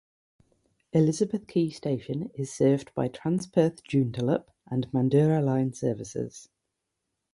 Elizabeth Quay station is served by Transperth Joondalup and Mandurah line services.